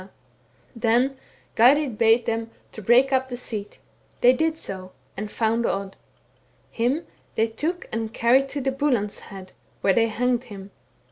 * Then Geirrid bade them break up the seat. They did 80, and found Odd. Him they took and carried to Buland's head, where they hanged him.